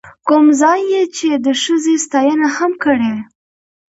کوم ځاى يې چې د ښځې ستاينه هم کړې،،